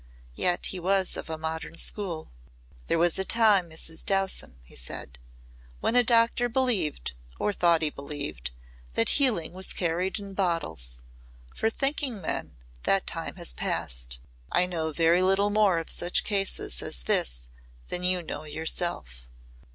Yet he was of a modern school. "There was a time, Mrs. Dowson," he said, "when a doctor believed or thought he believed that healing was carried in bottles. For thinking men that time has passed. I know very little more of such a case as this than you know yourself.